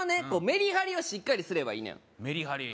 メリハリをしっかりすればいいのよメリハリ？